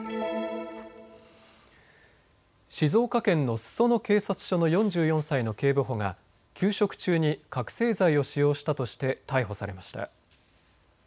静岡県の裾野警察署の４４歳の警部補が休職中に覚醒剤を使用したとして逮捕されました。